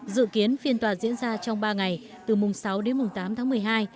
dự kiến phiên tòa diễn ra trong ba ngày từ mùng sáu đến mùng tám tháng một mươi hai